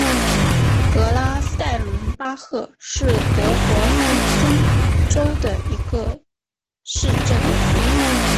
格拉塞伦巴赫是德国黑森州的一个市镇。